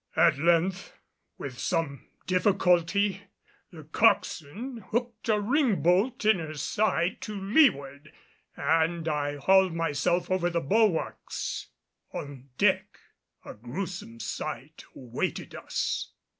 At length, with some difficulty, the coxswain hooked a ring bolt in her side to leeward and I hauled myself over the bulwarks. On deck a gruesome sight awaited us.